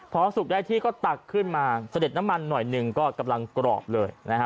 พอสุกได้ที่ก็ตักขึ้นมาเสด็จน้ำมันหน่อยหนึ่งก็กำลังกรอบเลยนะฮะ